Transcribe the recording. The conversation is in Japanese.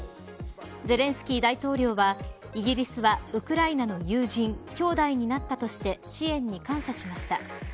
ゼレンスキー大統領はイギリスはウクライナの友人、兄弟になったとして支援に感謝しました。